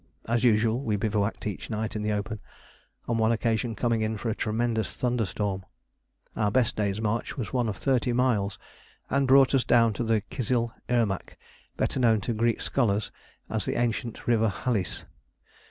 As usual we bivouacked each night in the open, on one occasion coming in for a tremendous thunderstorm. Our best day's march was one of thirty miles, and brought us down to the Kizil Irmak, better known to Greek scholars as the ancient river Halys.